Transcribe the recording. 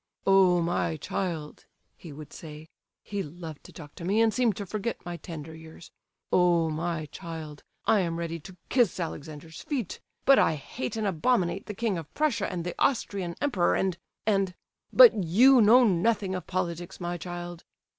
'Oh, my child,' he would say (he loved to talk to me and seemed to forget my tender years), 'Oh, my child, I am ready to kiss Alexander's feet, but I hate and abominate the King of Prussia and the Austrian Emperor, and—and—but you know nothing of politics, my child.